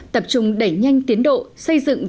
tập trung đẩy nhanh tiến độ xây dựng